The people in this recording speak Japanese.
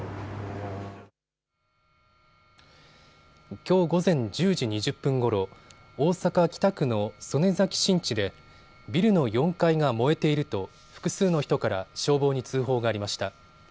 きょう午前１０時２０分ごろ大阪北区の曽根崎新地でビルの４階が燃えていると複数の人から消防に通報がありました。